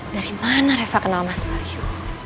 dari mana reva kenal mas bayu